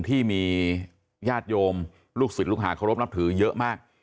ที่มีญาติโยมลูกศิษย์ลูกหาเคารพนับถือเยอะมาก